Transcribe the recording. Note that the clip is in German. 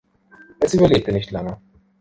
Es überlebte nicht lange.